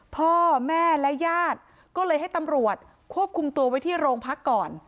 พ่อแม่และญาติก็เลยให้ตำรวจควบคุมตัวไว้ที่โรงพักก่อน